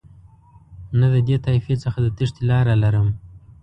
نه د دې طایفې څخه د تېښتې لاره لرم.